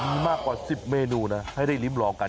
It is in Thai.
มีมากกว่า๑๐เมนูนะให้ได้ริมลองกัน